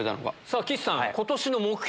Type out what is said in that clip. さぁ岸さん。